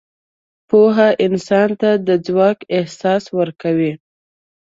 پوهه انسان ته د ځواک احساس ورکوي.